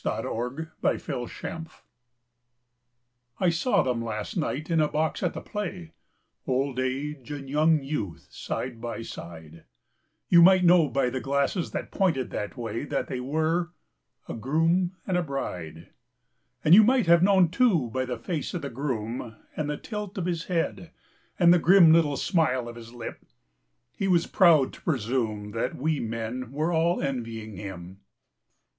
In a Box I saw them last night in a box at the play Old age and young youth side by side You might know by the glasses that pointed that way That they were a groom and a bride; And you might have known, too, by the face of the groom, And the tilt of his head, and the grim Little smile of his lip, he was proud to presume That we men were all envying him.